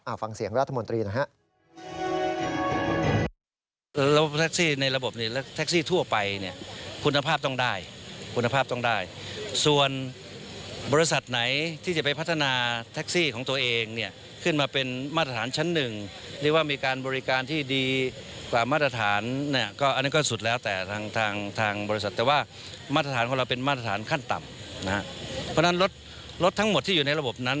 ฟังเสียงรัฐมนตรีนะฮะ